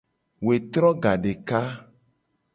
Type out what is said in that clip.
Wetro gadeka.